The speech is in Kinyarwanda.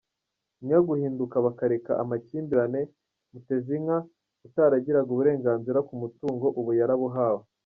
Nyuma yo guhinduka bakareka amakimbirane, Mutezinka, utaragiraga uburenganzira ku mutungo, ubu yarabuhawe.